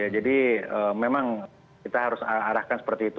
jadi memang kita harus arahkan seperti itu